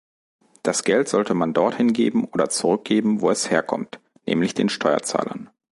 Das Geld sollte man dort hingeben oder zurückgeben, wo es herkommt, nämlich den Steuerzahlern.